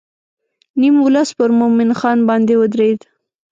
نیم ولس پر مومن خان باندې ودرېد.